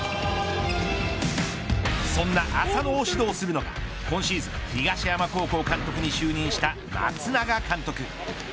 そんな麻野を指導するのが今シーズン東山高校監督に就任した松永監督。